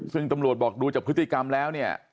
ซึ่งตำรวจบอกดูจากพฤติกรรมแล้วเนี่ย